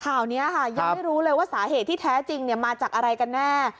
ข่าวนี้ค่ะยังไม่รู้เลยว่าสาเหตุที่แท้จริงมาจากอะไรกันแน่